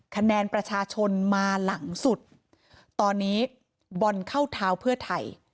คะแนนประชาชนมาหลังสุดตอนนี้บอลเข้าเท้าเพื่อไทย